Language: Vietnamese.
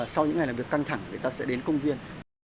sau những ngày làm việc căng thẳng người ta sẽ đến công viên